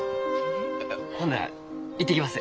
ほんなら行ってきます。